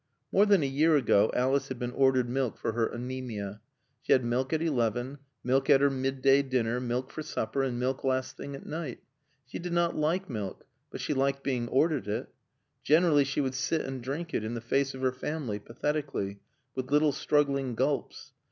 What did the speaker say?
More than a year ago Alice had been ordered milk for her anæmia. She had milk at eleven, milk at her midday dinner, milk for supper, and milk last thing at night. She did not like milk, but she liked being ordered it. Generally she would sit and drink it, in the face of her family, pathetically, with little struggling gulps.